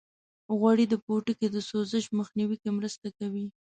غوړې د پوټکي د سوزش مخنیوي کې مرسته کوي.